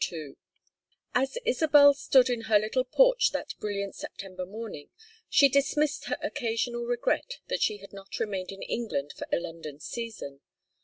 II As Isabel stood in her little porch that brilliant September morning, she dismissed her occasional regret that she had not remained in England for a London season.